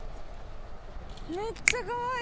めっちゃかわいい。